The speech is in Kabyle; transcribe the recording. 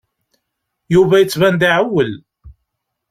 Yuba yettban-d iɛewwel.